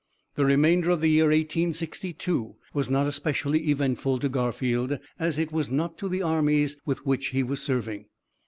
The remainder of the year 1862 was not especially eventful to Garfield, as it was not to the armies with which he was serving.